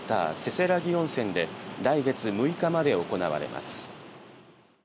せせらぎ温泉で来月６日まで行われます。